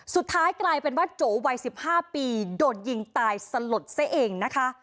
สุดท้ายกลายเป็นว่าโจวัย๑๕ปีโดนยิงตายสลดซะเองนะคะ